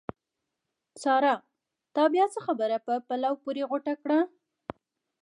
سارا! تا بیا څه خبره په پلو پورې غوټه کړه؟!